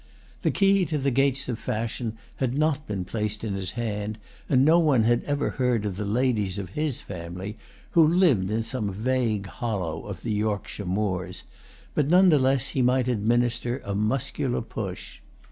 The key to the gates of fashion had not been placed in his hand, and no one had ever heard of the ladies of his family, who lived in some vague hollow of the Yorkshire moors; but none the less he might administer a muscular push.